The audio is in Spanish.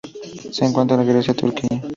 Se encuentra en Grecia y Turquía.